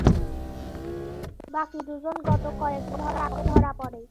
বাকি দুইজন গত কয়েক বছর আগে ধরা পরে।